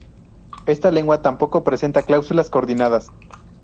Esta lengua tampoco presenta cláusulas coordinadas.